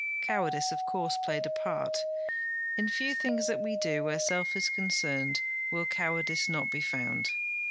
Cowardice of course played a part. In few things that we do, where self is concerned, will cowardice not be found.